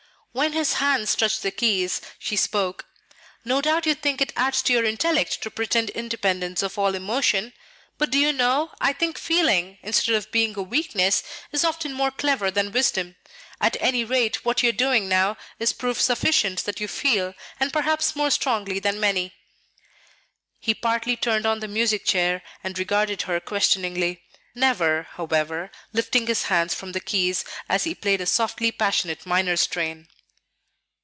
When his hands touched the keys, she spoke. "No doubt you think it adds to your intellect to pretend independence of all emotion. But, do you know, I think feeling, instead of being a weakness, is often more clever than wisdom? At any rate, what you are doing now is proof sufficient that you feel, and perhaps more strongly than many." He partly turned on the music chair, and regarded her questioningly, never, however, lifting his hands from the keys as he played a softly passionate minor strain.